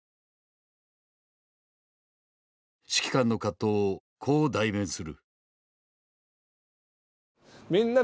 指揮官の葛藤をこう代弁する。